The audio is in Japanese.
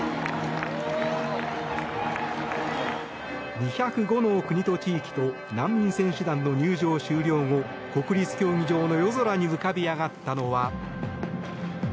２０５の国と地域と難民選手団の入場終了後国立競技場の夜空に浮かび上がったのは。